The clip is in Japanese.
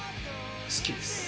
好きです。